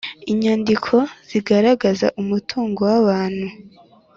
inyandiko zigaragaza umutungo w abantu